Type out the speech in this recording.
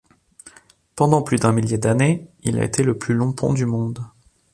Pendant plus d'un millier d'années, il a été le plus long pont du monde.